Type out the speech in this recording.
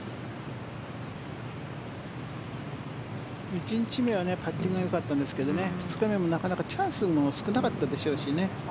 １日目はパッティングはよかったんですけど２日目もなかなかチャンスも少なかったでしょうし。